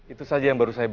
itu saja yang baru saya tahu